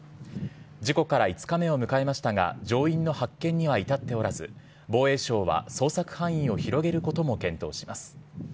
事故から５日目を迎えましたが、乗員の発見には至っておらず、防衛省は捜索範囲を広げることも検討します。